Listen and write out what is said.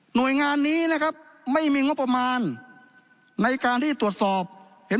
หน่วยงานนี้นะครับไม่มีงบประมาณในการที่จะตรวจสอบเห็น